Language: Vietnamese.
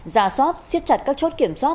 ra soát xiết chặt các chốt kiểm soát